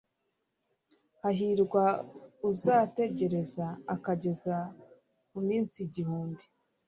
hahirwa uzategereza akageza ku minsi igihumbi